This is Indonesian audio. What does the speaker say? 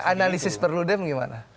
nah analisis perludem gimana